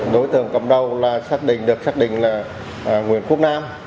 đối tượng cầm đầu được xác định là nguyễn quốc nam